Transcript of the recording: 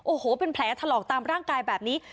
โอ้โหเป็นแผลถลอกตามร่างกายแบบนี้